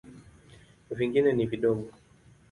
Vingine ni vidogo.